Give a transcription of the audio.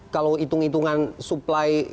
kalau hitung hitungan suplai